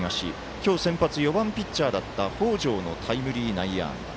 今日、先発４番ピッチャーだった北條のタイムリー内野安打。